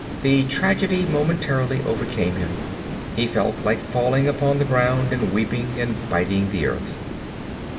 The tragedy momentarily overcame him. He felt like falling upon the ground and weeping and biting the earth.